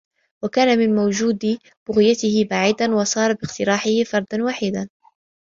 وَكَانَ مِنْ وُجُودِ بُغْيَتِهِ بَعِيدًا وَصَارَ بِاقْتِرَاحِهِ فَرْدًا وَحِيدًا